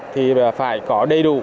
thì phải có đầy đủ